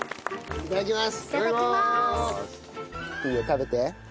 いただきます。